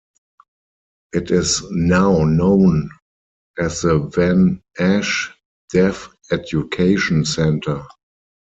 It is now known as the van Asch Deaf Education Centre.